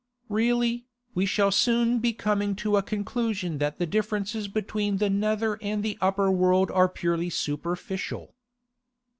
—Really, we shall soon be coming to a conclusion that the differences between the nether and the upper world are purely superficial.